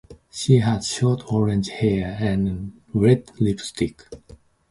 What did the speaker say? She has short orange hair and red lipstick.